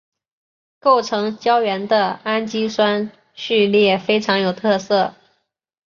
构成胶原的氨基酸序列非常有特色。